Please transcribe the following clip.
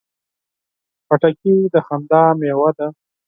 خټکی د خندا مېوه ده.